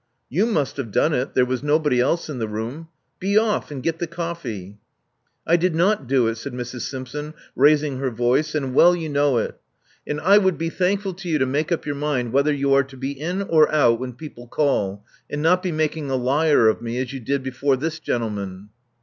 *'You must have done it: there was nobody else in the room. Be off; and get the coffee." "I did not do it," said Mrs. Simpson, raising her voice; "and well you know it. And I would be Love Among the Artists 415 thankful to you to make up your mind whether you are to be in or out when people call, and not be making a liar of me as you did before this gentleman.'